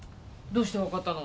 どうして分かったの？